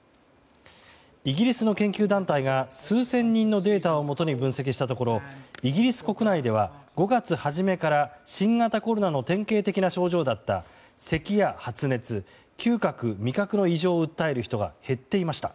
イギリスの研究団体が数千人のデータをもとに分析したところイギリス国内では５月初めから新型コロナの典型的な症状だったせきや発熱、嗅覚・味覚の異常を訴える人が減っていました。